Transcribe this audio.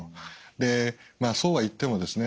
でそうは言ってもですね